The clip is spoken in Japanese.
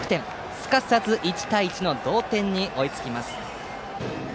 すかさず１対１の同点に追いつきます。